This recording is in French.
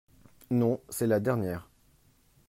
Non, c’est la dernière.